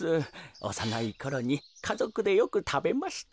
おさないころにかぞくでよくたべました。